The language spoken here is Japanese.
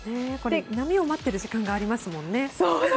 波を待っている時間がありますからね。